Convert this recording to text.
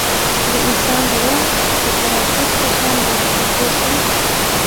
د انسان زړه د پراشوټ په شان دی پوه شوې!.